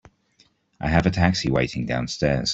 I have a taxi waiting downstairs.